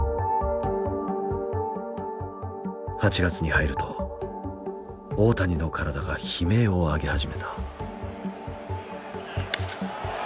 ８月に入ると大谷の体が悲鳴を上げ始めた。